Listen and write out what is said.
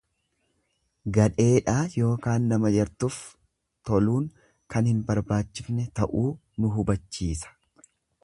Gadheedhaa ykn nama yartuf toluun kan hin barbaschifne ta'uu nu hubachiisa.